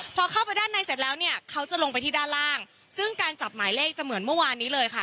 พอเข้าไปด้านในเสร็จแล้วเนี่ยเขาจะลงไปที่ด้านล่างซึ่งการจับหมายเลขจะเหมือนเมื่อวานนี้เลยค่ะ